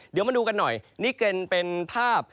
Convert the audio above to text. เดี๋ยวมาดูกันหน่อยนี่เป็นภาพ